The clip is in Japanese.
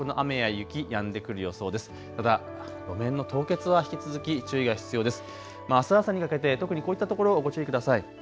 あす朝にかけて特にこういったところ、ご注意ください。